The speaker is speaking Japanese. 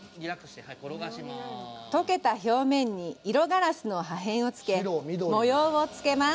溶けた表面に色ガラスの破片をつけ模様をつけます。